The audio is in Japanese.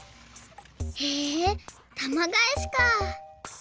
へえたまがえしか！